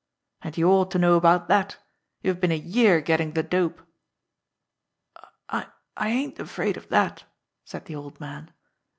And you ought to know about that you've been a year getting the dope." "I I ain't afraid of that," said the old man.